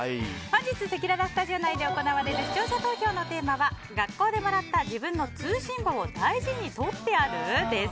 本日せきららスタジオ内で行われる視聴者投票のテーマは学校でもらった自分の通信簿を大事にとってある？です。